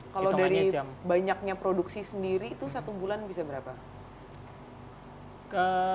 kalau dari banyaknya produksi sendiri itu satu bulan bisa berapa